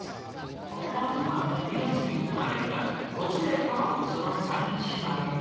まずは２月に産まれたコツメカワウソの３姉妹。